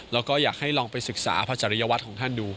แล้วก็อยากให้ลองไปศึกษาพระจริยวัตรของท่านดู